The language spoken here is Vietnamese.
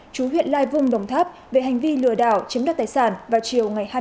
chú huyện lai vung đồng tháp về hành vi lừa đảo chiếm đất tài sản vào chiều ngày hai mươi bảy tháng ba